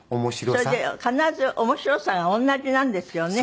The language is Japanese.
それで必ず面白さが同じなんですよね。